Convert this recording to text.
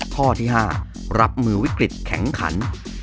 ข้อที่๕รับมือวิกฤตแข็งขัน